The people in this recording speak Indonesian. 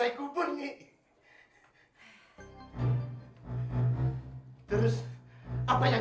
eh putar bang